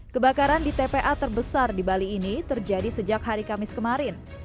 kebakaran di tpa terbesar di bali ini terjadi sejak hari kamis kemarin